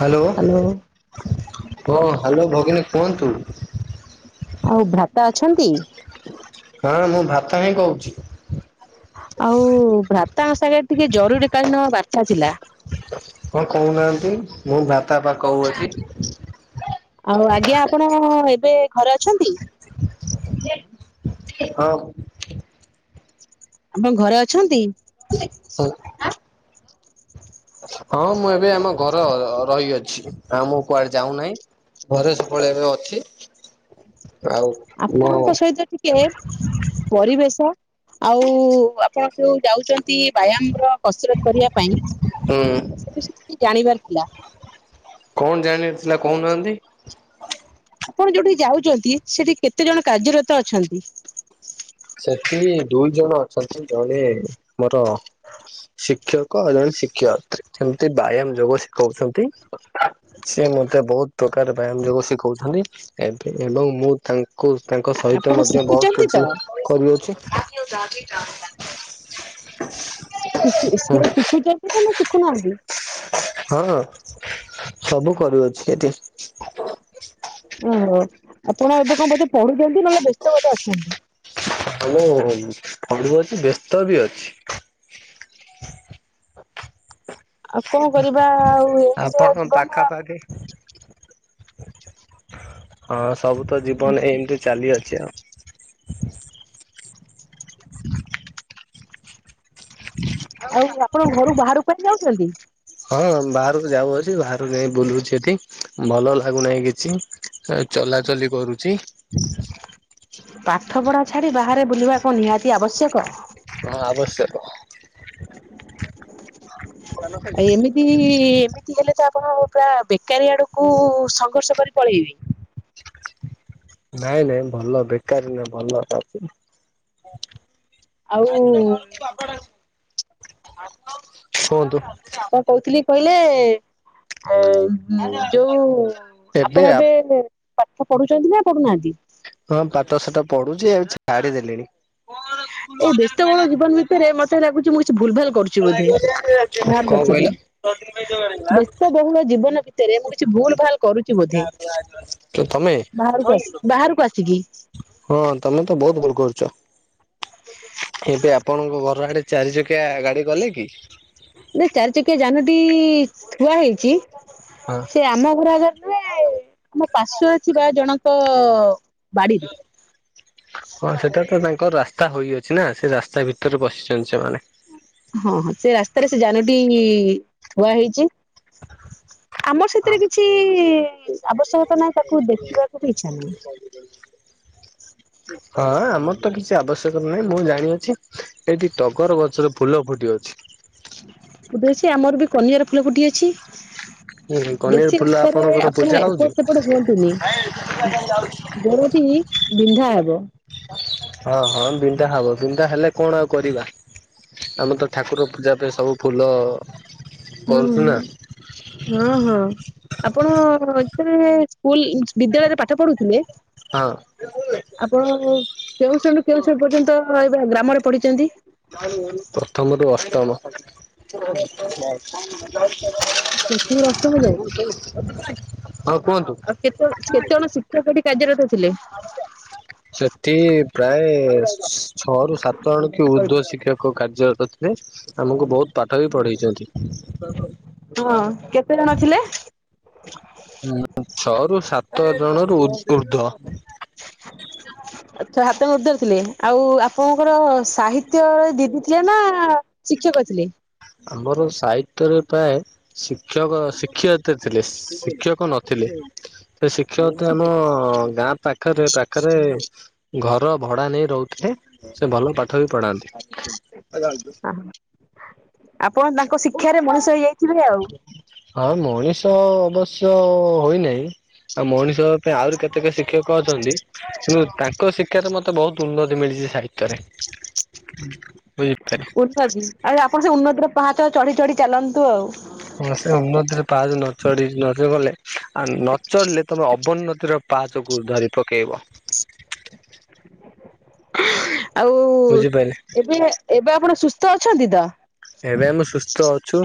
Hello hello ହଁ hello ଭଗିନୀ କୁହନ୍ତୁ। ଆଉ ଭ୍ରାତା ଅଛନ୍ତି? ହଁ ମୁଁ ଭ୍ରାତା ହିଁ କହୁଚି। ଆଉ ଭ୍ରାତାଙ୍କ ସାଙ୍ଗେ ଟିକେ ଜରୁରୀ କାଳୀନ ବାର୍ତ୍ତା ଥିଲା। କଣ କହୁନାହାନ୍ତି ମୁଁ ଭ୍ରତା ପା କହୁଅଛି। ଆଉ ଆଜ୍ଞା ଆପଣ ଏବେ ଘରେ ଅଛନ୍ତି? ହଁ। ଆପଣ ଘରେ ଅଛନ୍ତି? ହଉ। ହଁ ମୁଁ ଏବେ ଆମ ଘର ରହିଅଛି। ଆଁ ମୁଁ କୁଆଡେ ଯାଉନାହିଁ ଘରେ ସବୁବେଳେ ଏବେ ଅଛି। ଆଉ ମୁଁ ହୁଁ ଆପଣଙ୍କ ସହିତ ଟିକେ ପରିବେଶ ଆଉ ଆପଣ ଯୋଉ ଯାଉଛନ୍ତି ବ୍ୟାୟାମ ର କସରତ କରିବା ପାଇଁ ସେ ବିଷୟ ଜାଣିବାର ଥିଲା? କଣ ଜାଣିବାର ଥିଲା କହୁନାହାନ୍ତି। ଆପଣ ଯୋଉଠି ଯାଉଛନ୍ତି ସେଠି କେତେ ଜଣ କାର୍ଯ୍ୟରତ ଅଛନ୍ତି? ସେଠି ଦୁଇ ଜଣ ଅଛନ୍ତି ଜଣେ ମୋର ଶିକ୍ଷକ ଜଣେ ଶିକ୍ଷୟତ୍ରୀ ଏମିତି ବ୍ୟାୟାମ ଯୋଗ ଶିଖଉଛନ୍ତି । ସିଏ ମତେ ବହୁତ୍ ପ୍ରକାର ବ୍ୟାୟାମ ଯୋଗୁ ଶିଖଉଛନ୍ତି । ଏବେ ଏବଂ ମୁଁ ତାଙ୍କୁ ତାଙ୍କ ସହିତ ଆପଣ ମଧ୍ୟ ବହୁତ ଶିଖୁଛନ୍ତି ତ? କିଛି କରିଅଛି ସି-ସି-ସିଏ ଶିଖୁଚନ୍ତି ନା ସେ ଶିଖୁନାହାନ୍ତି। ହଁ ସବୁ କରୁଅଛି ଏଠି। ଓହୋ ଆପଣ ଏବେ କଁ ବୋଧେ ପଢୁଛନ୍ତି ନହେଲେ ବ୍ୟସ୍ତ ବୋଧେ ଅଛନ୍ତି। ହଁ ମୁଁ ପଢୁଅଛି ବ୍ୟସ୍ତ ବି ଅଛି। ଆଉ କଣ କରିବା ଆଉ ଏଇ ଆଉ ତ ତମ ଜୀବନ ପାଖାପାଖି ହଁ ସବୁ ତ ଜୀବନ ଏମତି ଚାଲି ଆ ସେଇଆ। ଆଉ ଆପଣ ଘରୁ ବାହରକୁ କୁଆଡେ ଯାଉଚନ୍ତି? ହଁ ବାହାରକୁ ଯାଉଅଛି ବାହାରକୁ ଯାଇ ବୁଲୁଛି ଏଠି ଭଲ ଲାଗୁନାହିଁ କିଛି। ଏ ଚଲାଚଲି କରୁଚି। ଛାଡ଼ି ବାହାରେ ବୁଲିବା କଣ ନିହାତି ଆବଶ୍ୟକ? ହଁ ଆବଶ୍ୟକ। ଏଇ ଏମିତି ଏମିତି ହେଲେ ତ ଆପଣ ପୁରା ବେକାରୀ ଆଡକୁ ସଂଘର୍ଷ କରି ପଳେଇବି। ନାଇଁ ନାଇଁ ଭଲ ବେକାରୀ ନାଇ ଭଲରେ ଅଛି। ଆଉ ଆ ଆସୁନ ଘରୁକୁ ବାପା ଡାକୁଛନ୍ତି ଆସୁନ। କଁ କୋହୁଥିଲି କହିଲେ ଅ-ଉଁ ଯୋଉ ଆପଣ ଏବେ ପାଠ ପଢୁଚନ୍ତି ନା ପଢୁନାହାନ୍ତି? ହଁ ପାଠ ଶାଠ ପଡୁଚି ଆଉ ଛାଡିଦେଲିଣି। ଏଇ ବ୍ୟସ୍ତ ବୋହୁଳ ଜୀବନ ଭିତରେ ମତେ ଲାଗୁଚି ମୁଁ କିଛି ଭୁଲ ଭାଲ କରୁଚି ବୋଧେ। ବାହାରକୁ କ-କଣ ଆସିକି। କହିଲ? ବ୍ୟସ୍ତ ବହୁଳ ଜୀବନ ଭିତରେ ମୁଁ କିଛି ଭୁଲ ଭାଲ କରୁଛି ବୋଧେ କିଏ ତମେ? ବାହାରକୁ ଆସି ବାହାରକୁ ଆସିକି। ହଁ ତମେ ତ ବୋହୁତ ଭୁଲ କରୁ ଚ କିନ୍ତୁ ଆପଣଙ୍କ ଘର ଆଡେ ଚାରି ଚକିଆ ଗାଡି ଗଲେ କି? ନା ଚାରି ଚକିଆ ଯାନଟି ଥୁଆ ହେଇଚି। ହଁ ସେ ଆମ ଘର ଆଗରେ ମୋ ପାଶୁଆ ଥିବା ଜଣଙ୍କ ବାଡିରେ ହଁ ସେଟାତ ବାଇ କ ରାସ୍ତା ହୋଇଅଛି ନା ସେ ରାସ୍ତା ଭିତରେ ବସିଚନ୍ତି ସେମାନେ। ହଁ ହଁ ସେ ରାସ୍ତାରେ ସେ ଯାନଟି ଥୁଆହେଇଚି। ହଁ। ଆବଶ୍ୟକତା ନାହିଁ ତାକୁ ଦେଖିବାକୁ ବି ଇଚ୍ଛା ନାହିଁ। ହଁ ହଁ ଆମର ତ କିଛି ଆବଶ୍ୟକ ନାହିଁ ମୁଁ ଜାଣିଅଛି ଏଇଠି ଟଗର ଗଛରେ ଫୁଲ ଫୁଟିଅଛି। ଫୁଟି ଅଛି ଆମର ବି କନିଆର ଫୁଲ ଫୁଟିଅଛି। ହୁଁ କନିଅର ବେଶୀ ଫୁଲ ରାସ୍ତାରେ ଆପଣଙ୍କର ପୂଜା ଆପଣ ହଉଛି? ଏପଟ ସେପଟ ହୁଅନ୍ତୁନି ଦେହ ତି ତି ବିନ୍ଧା ହେବ। ହଁ ହଁ ବିନ୍ ବିନ୍ଧା ହବ ବିନ୍ଧା ହେଲେ କଣ ଆଉ କରିବା ଆମେ ତ ଠାକୁର ପୂଜା ପାଇଁ ସବୁ ଫୁଲ ହୁଁ କରୁଛୁ ନା ହୁଁ ହଁ ହଁ ଆପଣ ଯେତେବେଳେ ସ୍କୁଲ୍ ବିଦ୍ୟାଳୟରେ ପାଠ ପଢୁଥିଲେ ହଁ। ଆପଣ କେଉଁ ଶ୍ରେଣିରୁ କେଉଁ ଶ୍ରେଣି ପର୍ଯ୍ୟନ୍ତ ଏବଂ ଗ୍ରାମରେ ପଢିଚନ୍ତି? ପ୍ରଥମରୁୁ ଅଷ୍ଟମ। ପ୍ରଥମରୁୁ ଅଷ୍ଟମ ଯାଏଁ? ହଁ କୁହନ୍ତୁ। ଆଉ କେତେଅଣ-କେତେଜଣ ଶିକ୍ଷକ ଏଠି କାର୍ଯ୍ୟରତ ଥିଲେ? ଆଛା ସେଠି ପ୍ରାୟେ ଛଅରୁ ସାତଜଣ କି ଉର୍ଦ୍ଧ୍ୱ ଶିକ୍ଷକ କାର୍ଯ୍ୟା ଇଏ ଆମକୁ ବୋହୁତ ପାଠ ବି ପଢେଇଚନ୍ତି। କେତେଜଣ ଥିଲେ? ହୁଁ, ଛଅରୁୁ ସାତ ଜଣ ରୁ ଉର୍ଦ୍ଧ୍ୱ ଛ ହାତ ମଡି ଧରି ଥିଲେ [unintelligible] ଆଉ ଆପଣଙ୍କର ସାହିତ ଦିଦି ଥିଲେ ନା ଶିକ୍ଷକ ଥିଲେ? ଆମର ସାହିତ୍ୟରେ ପ୍ରାୟ ଶିକ୍ଷକ ଶିକ୍ଷୟତେ ଥିଲେ, ଶିକ୍ଷକ ନଥିଲେ ସେ ଶିକ୍ଷକତ ଆମ ଗାଁ ପାଖରେ ପାଖରେ ଘର ଭଡା ନେଇ ରହୁଥିଲେ, ସେ ଭଲ ପାଠ ବି ପଢାନ୍ତି । ଆପଣ ତାଙ୍କ ଶିକ୍ଷାରେ ମଣିଷ ହେଇଯାଇ ହଁ ମଣି ତ ଅବଶ୍ୟ ହୋଇନାହିଁ ଆଉ ମଣିଷ ପାଇଁ ଆହୁରି କେତେକ ଶିକ୍ଷକ ଅଛନ୍ତି ତାଙ୍କ ଶିକ୍ଷାରେ ମତେ ବହୁତ ଉନ୍ନତି ମିଳିଛି ସାହିତ୍ୟରେ ବୁଝିପାରିଲେ। ଉନ୍ନତି ଆଉ ଆପଣ ସେ ଉନ୍ନତିର ପାହାଚ ଚଢି ଚଢି ଚାଲନ୍ତୁ ଆଉ ହଁ ସେ ଉନ୍ନତିରେ ପାହା ନଚଢି ନଚ ଗଲେ ଆ ନଚଳିଲେ ତମେ ଅବ ନଦୀର ପାହା [unintelligible] ଯୋଗକୁୁ ଧରି ପକେଇବ [inaudible] ଆଉ, ବୁଝିପାରିଲେ ଏବେ, ଏବେ ଆପଣ ସୁସ୍ଥ ଅଛନ୍ତି ତ? ଏବେ, ଆମେ ସୁସ୍ଥ ଅଛୁ,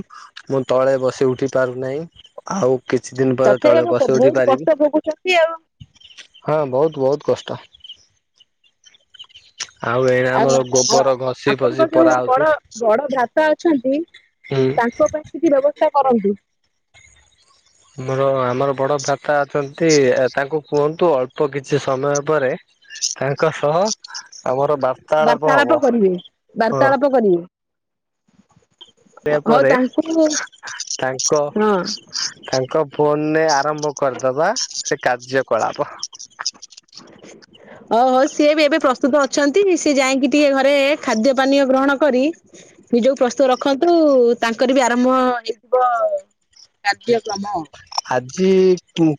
ମୁଁ ତଳେ ବସି ଉଠି ପାରୁନାହିଁ ଆଉ କିଛି ଦିନ ପରେ ତଥାପି ତଳେ ଆପଣ ବସି ଉଠି ବହୁତ କଷ୍ଟ ପାରିବି, ଭୋଗୁଛନ୍ତି ଆଉ ହଁ ବହୁତ ବହୁତ କଷ୍ଟ । ଆଉ ଗୋବର ଘଷି ଫସି ଆପଣଙ୍କ ଯୋଉ ପରା ହଉଛି ବଡ, ବଡ ବାପା ଅଛନ୍ତି ହୁଁ। ତାଙ୍କ ପାଇଁ କିଛି ବ୍ୟବସ୍ଥା କରନ୍ତୁ । ଏ ତାଙ୍କୁ କୁହନ୍ତୁ ଅଳ୍ପ କିଛି ସମୟ ପରେ ତାଙ୍କ ସହ ଆମର ବାର୍ତାଳାପ ବାର୍ତ୍ତାଳାପ ହବ, କରିବେ ହଁ ବାର୍ତ୍ତାଳାପ କରିବେ ସେ ହଉ ପରେ ତାଙ୍କୁ ହଁ ତାଙ୍କ ହଉ ତାଙ୍କ ଫୋନରେ ଆରମ୍ଭ କରିଦବା ସେ କାର୍ଯ୍ୟ କଳାପ ଓହୋ, ସିଏ ବି ଏବେ ପ୍ରସ୍ତୁତ ଅଛନ୍ତି, ସିଏ ଯାଇକି ଟିକେ ଘରେ ଖାଦ୍ୟ ପାନୀୟ ଗ୍ରହଣ କରି ନିଜକୁ ପ୍ରସ୍ତୁତ ରଖନ୍ତୁ, ତାଙ୍କର ବି ଆରମ୍ଭ ହେଇଥିବ କାର୍ଯ୍ୟକ୍ରମ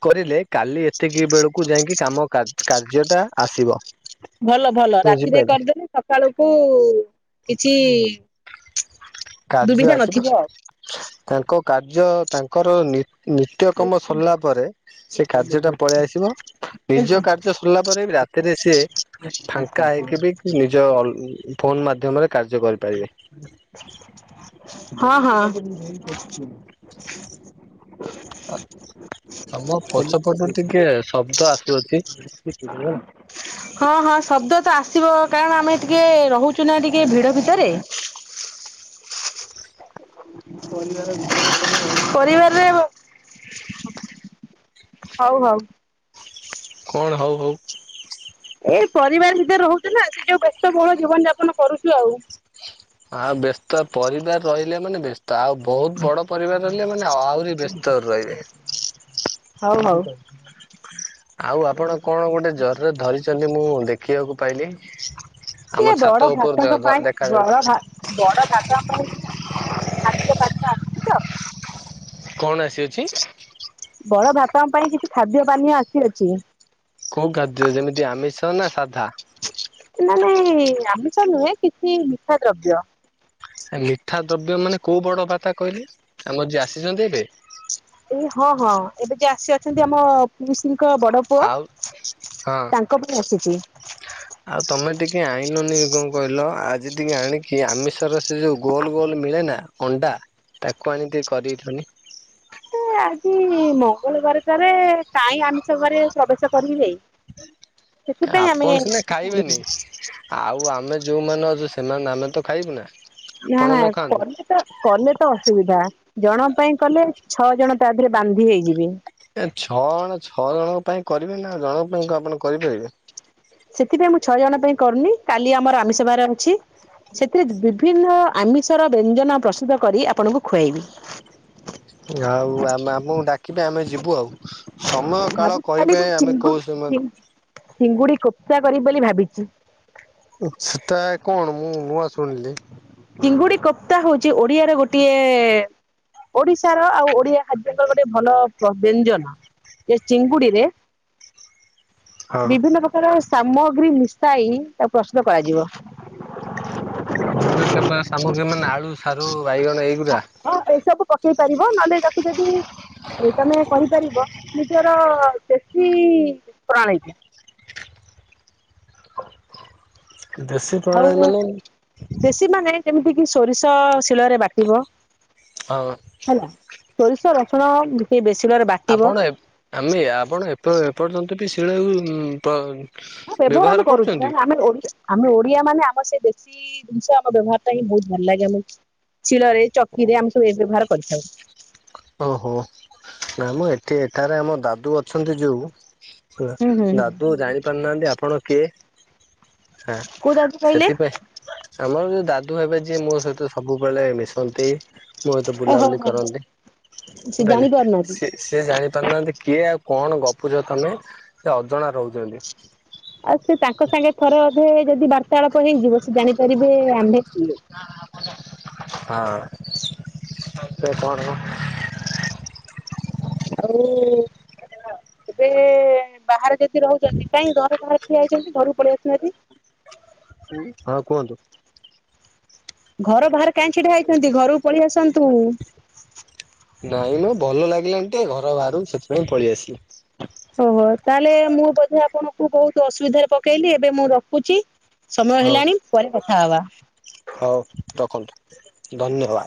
କରିଲେ, କାଲି ଏତିକି ବେଳକୁ ଯାଇକି କାମ କାର୍ଯ୍ୟ ଟା ଆସିବ । ଭଲ, ଭଲ, ରାତିରେ କରିଦେଲେ ସକାଳକୁ କିଛି କାର୍ଯ୍ୟ ଦୁବିଧା ଆସିବ, ନଥିବ ତାଙ୍କ କାର୍ଯ୍ୟ ତାଙ୍କର ନିତ୍ୟକର୍ମ ସରିଲା ପରେ ସେ କାର୍ଯ୍ୟ ଟା ପଳେଇ ଆସିବ, ଆଉ ନିଜ କାର୍ଯ୍ୟ ସରିଲା ପରେ ବି ରାତିରେ ସେ ଫାଙ୍କା ହେଇକି ବି ନିଜ ଫୋନ ମାଧ୍ୟମରେ କାର୍ଯ୍ୟ କରିପାରିବେ । ହଁ ହଁ ତମର ପଛ ପଟରୁ ଟିକେ ଶବ୍ଦ ଆସୁଛି । ହ [inaudible] ହଁ ହଁ ଶବ୍ଦ ତ ଆସିବ କାରଣ -ଆମେ ଟିକେ ରହୁଛୁ ନା ଟିକେ ଭିଡ ଭିତରେ ହ [inaudible] ପରିବାରରେ [inaudible] ହଉ ହଉ। କଣ, ହଉ ହଉ । ଏଇ ପରିବାର ଭିତରେ ରହୁଛ ନା, ସେ ଯୋଉ ବ୍ୟସ୍ତ ବହୁଳ ଜୀବନ ଯାପନ କରୁଛୁ, ଆଉ ଆଁ, ବ୍ୟସ୍ତ ପରିବାର ରହିଲେ ମାନେ ବ୍ୟସ୍ତ । ତ ଆଉ ବହୁତ ବଡ ପରିବାର ରହିଲେ, ମାନେ ଆହୁରି ବ୍ୟସ୍ତ ରହିବେ। ହଉ ହଉ । ଆଉ ଆପଣ କଣ ଗୋଟେ ଜରିରେ ଧରିଛନ୍ତି ମୁଁ ଦେଖିବାକୁ ପାଇଲି । ସେ ବଡ ଭାଷାଙ୍କ ପାଇଁ ବଡ ଭ ବଡ ଭାଷା ପାଇଁ [unintelligible] ଆସିବା ପାଛା ଆସଛି ତ [unintelligible] କଣ ଆସିଅଛି? ବଡ ଭ୍ରାତାଙ୍କ ପାଇଁ କିଛି ଖାଦ୍ୟ ପାନୀୟ ଆସିଅଛି। କୋଉ ଖାଦ୍ୟ ଯେମିତି ଆମିଷ ନା ସାଧା। ମାନେ ଆମିଷ ନୁହେଁ କିଛି ମିଠା ଦ୍ରବ୍ୟ। ମିଠା ଦ୍ରବ୍ୟ ମାନେ କୋଉ ବଡ [unintelligible] ଭ୍ରାତା କହିଲେ। ଆମର ଯିଏ ଆସିଛନ୍ତି ଏବେ ଏ ହଁ ହଁ ଏବେ ଯିଏ ଆସି ଅଛନ୍ତି ଆମ ପିଇସିଙ୍କ ବଡ ପୁଅ ଆଉ ହଁ ତାଙ୍କ ପାଇଁ ଆସିଛି। ଆଉ ତମେ ଟିକେ ଆଣିଲନି କଣ କହିଲ ଆଜି ଟିକେ ଆଣିକି ଆମିଷର ସେ ଯୋଉ ଗୋଲ ଗୋଲ ମିଳେ ନା ଅଣ୍ଡା ତାକୁ ଆଣିିକି ଟିକେ [unintelligible] କରେଇଥନି କି ମଙ୍ଗଳବାର ଟାରେ କାହିଁ ଆମିଷ ଘରେ ପ୍ରବେଶ କରିବି ଯାଇଁ ଆପଣ ସିନା କିଛି ଆଣିନୁ। ଖାଇବେନି ଆଉ ଆମେ ଯୋଉମାନେ ଅଛୁ ସେମାନେ ଆମେ ତ ଖାଇିବୁ ନା ନା ଆପଣ ନା ନ ଖାଆନ୍ତୁ କଲେ ତ କଲେ ତ ଅସୁବିଧା ଜଣଙ୍କ ପାଇଁ କଲେ ଛଅ ଜଣ ତା ଦେହରେ ବାନ୍ଧି ହେଇଯିବେ। ଏ ଛଅ ଜଣ ଛଅ ଜଣଙ୍କ ପାଇଁ କରିବେ ନା ଜଣଙ୍କ ପାଇଁ ଆପଣ କରିପାରିବେ। ସେଥିପାଇଁ ମୁଁ ଛଅ ଜଣ ପାଇଁ କରୁନି କାଲି ଆମର ଆମିଷଵାର ଅଛି ସେଥିରେ ବିଭିନ୍ନ ଆମିଷ ର ବ୍ୟଞ୍ଜନ ପ୍ରସ୍ତୁତ କରି ଆପଣଙ୍କୁ ଖୁଆଇବି ଆଉ ଆମ ଆମକୁ ଡାକିବେ ଆମେ ଯିବୁ ଆଉ ସମୟ କାଳ ଭାବୁଛି କାଲି କହିବା ମୁଁ ଆମେ ଚିଙ୍ଗୁଡି କୋଉ ସମ ଚି ଚିଙ୍ଗୁଡି କୋପ୍ତା କରିିବି ବୋଲି ଭାବିଛି। ସେଟା କଣ ମୁଁ ନୂଆ ଶୁଣିଲି। ଚିଙ୍ଗୁଡି କୋପ୍ତା ହଉଛି ଓଡିଆର ଗୋଟିଏ ଓଡିଶାର ଆଉ ଓଡିଆ ଖାଦ୍ୟଙ୍କର ଗୋଟେ ଭଲ ବ୍ୟଞ୍ଜନ ଯେ ଚିଙ୍ଗୁଡିରେ ହଁ ବିଭିନ୍ନ ପ୍ରକାର ସାମଗ୍ରୀ ମିଶାଇ ତାକୁ ପ୍ରସ୍ତୁତ କରାଯିବ। ବିଭିନ୍ନ ପ୍ରକାର ସାମଗ୍ରୀ ମାନେ ଆଳୁ ସାରୁ ବାଇଗଣ ଏଇଗୁଡା ହଁ ଏସବୁ ପକେଇ ପାରିବ ନହେଲେ ତାକୁ ଯଦି ଏ ତମେ କହିପାରିବ ନିଜର [unintelligible] ଦେଷ୍ୀ ପ୍ରଣୀତି [unintelligible] ଦେଶୀ ଆଉ ପ୍ରଣାଳୀ ମାନେ ଦେଶୀ ମାନେ ଯେମିତି କି ସୋରିଷ ଶିଳରେ ବାଟିବ। ହଁ। ହେଲା। ସୋରିଷ ରଚଣା ଟିକେ ବେଶୀ ଶିଳରେ ବାଟିବ ଆପଣ ଆମେ ଆପଣ ଏ ଏପର୍ଯ୍ୟନ୍ତ ଏପର୍ଯ୍ୟନ୍ତ ବି ଶିଳକୁ [unintelligible] ହ ବ୍ୟବହାର ଆମେ କରୁ [unintelligible] କ ଆମ ଆମ [unintelligible] ଆ ମାନେ ଆମ ସେ ଦେଶୀ ଜିନିଷ ଆମ ବ୍ୟବହାରଟା ହିଁ ବହୁତ ଭଲ ଲାଗେ ଆମେ ଶିଳରେ ଚକିରେ ଆମେ ସବୁ ଏ ବ୍ୟବହାର କରିଥାଉ। ଓହୋ ନା ମୁଁ ଏଠି ଏଠାରେ ଆମ ଦାଦୁ ଅଛନ୍ତି ଯୋଉ। ହୁଁ ହୁଁ ହୁଁ। ଦାଦୁ ଜାଣି ପାରୁନାହାନ୍ତି ଆପଣ କିଏ? ହଁ କୋଉ ଯାଉଛି କହିଲେ ସେଥିପାଇଁ ଆମର ଯୋଉ ଦାଦୁ ହେବେ ଯିଏ ମୋ ସହିତ ସବୁ ସବୁବେଳେ ମିଶନ୍ତି ମୋ ସହିତ ଓହୋ ବୁଲାବୁଲି ହୋ କରନ୍ତି। ସେ କହିଲେ ଜାଣି ପାରୁନାହାନ୍ତି। ସେ ସେ ଜାଣିପାରୁନାହାନ୍ତି କିଏ ଏଉ କଣ ଗପୁଛ ତମେ ସେ ଅଜଣା ରହୁଛନ୍ତି। ଆଉ ସେ ତାଙ୍କ ସାଙ୍ଗେ ଥରେ ଅଧେ ଯଦି ବା ବାର୍ତ୍ତାଳାପ ହେଇଯିବ ସେ ଜାଣିପାରିବେ ଆମ୍ଭେ କିଏ ହ [unintelligible] ସେପ [unintelligible] ଆଉ ଏବେ ବାହାରେ ଯଦି ରହୁଛନ୍ତି କାଇହିଁ ଘର ବାହାରେ ଠିଆ ହେଇଛନ୍ତି ଘରକୁ ପଳେଇ ଆସୁନାହାନ୍ତି। ହଁ କୁହନ୍ତୁ। ଘର ବାହାରେ କାହିଁ ଛିଡା ହେଇଛନ୍ତି ଘରକୁ ପଳେଇ ଆସନ୍ତୁ। ନାଇଁ ନ ଭଲ ଲାଗିଲାନି ତ ଘର ବାହାରକୁ ସେଥିପାଇଁ ପଳେଇ ଆସିଲି। ଓହୋ! ତାହେଲେ ମୁଁ ବୋଧେ ଆପଣଙ୍କୁ ବହୁତ ଅସୁବିଧାରେ ପକେଇଲି, ଏବେ ମୁଁ ରଖୁଛି ସମୟ ହଉ। ହେଲାଣି ପରେ କଥା ହବା। ହଉ ରଖନ୍ତୁ ଧନ୍ୟବାଦ।